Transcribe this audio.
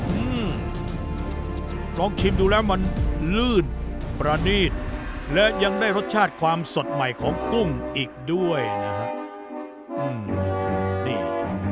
อืมลองชิมดูแล้วมันลื่นประณีตและยังได้รสชาติความสดใหม่ของกุ้งอีกด้วยนะฮะอืมนี่